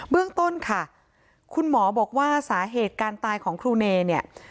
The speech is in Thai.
เรื่องต้นค่ะคุณหมอบอกว่าสาเหตุการตายของครูเนเนี่ย